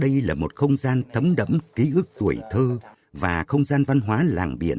đây là một không gian thấm đẫm ký ức tuổi thơ và không gian văn hóa làng biển